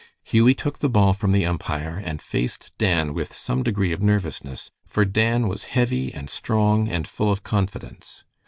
Hughie took the ball from the umpire and faced Dan with some degree of nervousness, for Dan was heavy and strong, and full of confidence.